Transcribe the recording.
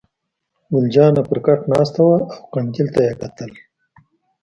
ګل جانه پر کټ ناسته وه او قندیل ته یې کتل.